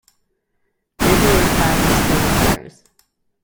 Biblioclasm still occurs.